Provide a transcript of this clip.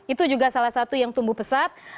itu juga salah satu yang tumbuh pesat